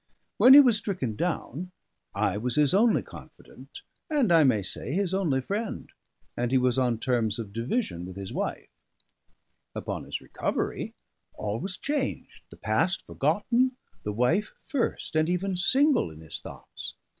When he was stricken down, I was his only confidant, and I may say his only friend, and he was on terms of division with his wife; upon his recovery, all was changed, the past forgotten, the wife first and even single in his thoughts.